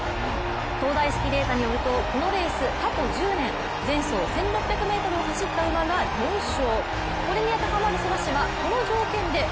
東大式データによるとこのレース、過去１０年、前走１６００ｍを走った馬が４勝。